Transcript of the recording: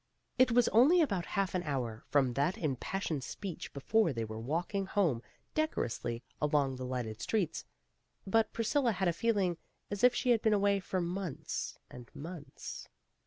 '' It was only about half an hour from that impassioned speech before they were walking home decorously along the lighted streets, but Priscilla had a feeling as if she had been away for months and months.